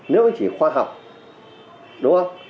nếu chỉ khoa học đúng không